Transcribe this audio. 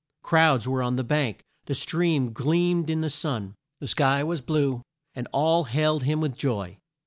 Crowds were on the bank, the stream gleamed in the sun, the sky was blue, and all hailed him with joy.